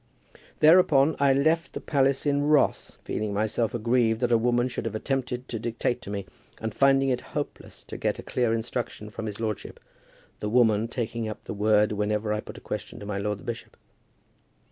Thereupon, I left the palace in wrath, feeling myself aggrieved that a woman should have attempted to dictate to me, and finding it hopeless to get a clear instruction from his lordship, the woman taking up the word whenever I put a question to my lord the bishop.